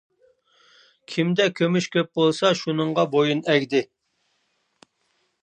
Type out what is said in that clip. كىمدە كۈمۈش كۆپ بولسا شۇنىڭغا بويۇن ئەگدى.